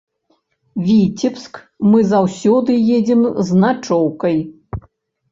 Віцебск мы заўсёды едзем з начоўкай.